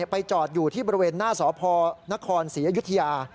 ไปจอดอยู่ที่บริเวณหน้าสพนครศรีอยุธยา